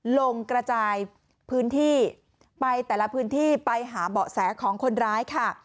ลงกระจายพื้นที่ไปแต่ละพื้นที่ไปหาเบาะแสของคนร้ายค่ะ